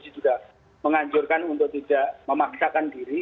mereka juga mengajurkan untuk tidak memaksakan diri